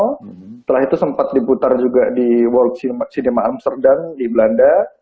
setelah itu sempat diputar juga di world cinema amsterdam di belanda